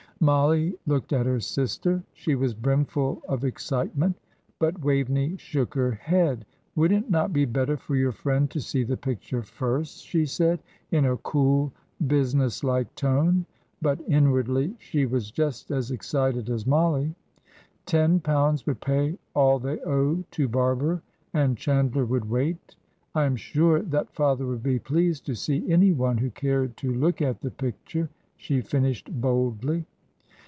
Mollie looked at her sister. She was brimful of excitement. But Waveney shook her head. "Would it not be better for your friend to see the picture first?" she said, in a cool, business like tone; but inwardly she was just as excited as Mollie. Ten pounds would pay all they owe to Barber, and Chandler would wait. "I am sure that father would be pleased to see any one who cared to look at the picture," she finished, boldly.